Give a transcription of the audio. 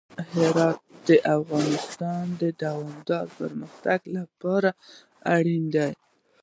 هرات د افغانستان د دوامداره پرمختګ لپاره اړین دي.